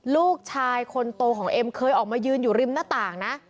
ลูกชายคนโตของเอ็มเคยออกมายืนอยู่ริมหน้าต่างนะ